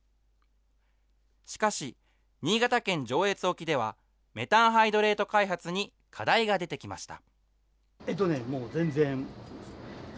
しかし、新潟県上越沖では、メタンハイドレート開発に課題が出てきました。